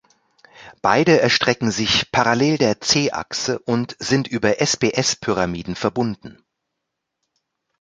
Beide erstrecken sich parallel der c-Achse und sind über SbS-Pyramiden verbunden.